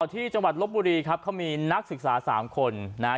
ที่จังหวัดลบบุรีครับเขามีนักศึกษา๓คนนะฮะ